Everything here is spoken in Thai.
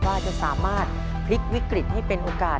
ว่าจะสามารถพลิกวิกฤตให้เป็นโอกาส